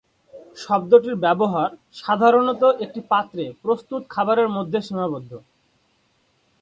শব্দটির ব্যবহার সাধারণত একটি পাত্রে প্রস্তুত খাবারের মধ্যে সীমাবদ্ধ।